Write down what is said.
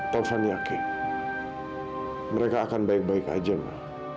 taufan yakin mereka akan baik baik aja mbak